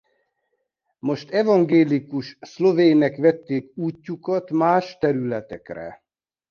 Most evangélikus szlovének vették útjukat más területekre.